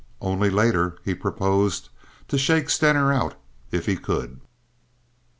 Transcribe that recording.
Only, later, he proposed to shake Stener out if he could.